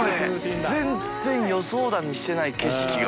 漢予想だにしてない景色が。